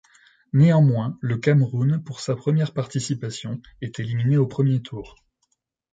Néanmoins, le Cameroun, pour sa première participation, est éliminé au premier tour.